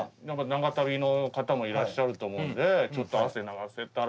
長旅の方もいらっしゃると思うんでちょっと汗流せたら。